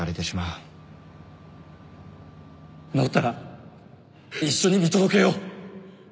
治ったら一緒に見届けよう